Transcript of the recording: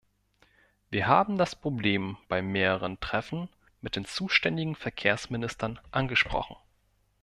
Wir haben das Problem bei mehreren Treffen mit den zuständigen Verkehrsministern angesprochen.